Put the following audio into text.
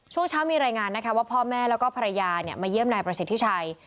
ช่วงเช้ามีรายงานนะคะว่าพ่อแม่แล้วก็ภรรยามาเยี่ยมนายประสิทธิชัย